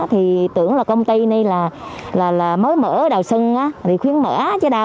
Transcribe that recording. thì tưởng là công ty này là mới mở đầu sân thì khuyên mở chứ đâu